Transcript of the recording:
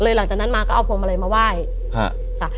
เลยหลังจากนั้นมาก็เอาพวงเมล็ดมาไหว้ค่ะค่ะ